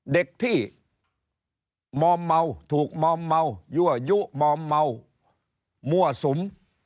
เด็กที่มอมเมาถูกมอมเมายั่วยุมอมเมามั่วสุม